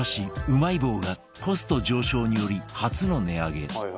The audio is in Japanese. うまい棒がコスト上昇により初の値上げ